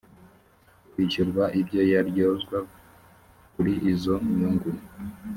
kwishyurwa ibyo yaryozwa kuri izo nyungu